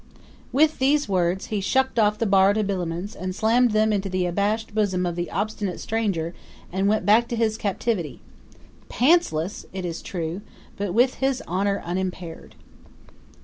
With these words he shucked off the borrowed habiliments and slammed them into the abashed bosom of the obstinate stranger and went back to his captivity pantless, 'tis true, but with his honor unimpaired.